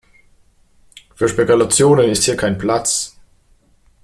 Für Spekulationen ist hier kein Platz.